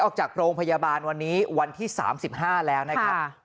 ออกจากโรงพยาบาลวันนี้วันที่๓๕แล้วนะครับ